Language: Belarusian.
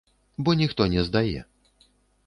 Бо ніхто не здае.